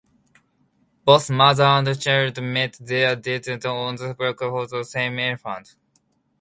Both mother and child met their deaths on the back of the same elephant.